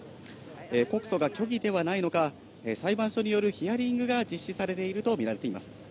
告訴が虚偽ではないのか、裁判所によるヒアリングが実施されているとみられています。